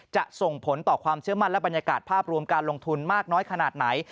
ส่งผลต่อความเชื่อมั่นและบรรยากาศภาพรวมการลงทุนมากน้อยขนาดไหน